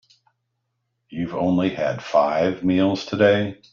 You've only had five meals today.